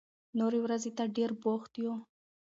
نورې ورځې ته ډېر بوخت يې.